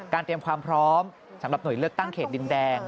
เตรียมความพร้อมสำหรับหน่วยเลือกตั้งเขตดินแดง